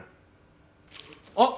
あっ！